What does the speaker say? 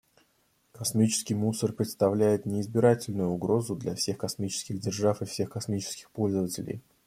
Космический мусор представляет неизбирательную угрозу для всех космических держав и всех космических пользователей.